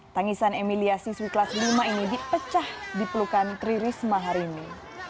tangisan emilia siswi kelas lima ini dipecah di pelukan tri risma hari ini